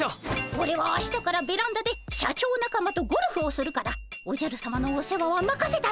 オレは明日からベランダで社長仲間とゴルフをするからおじゃるさまのお世話はまかせたぞ。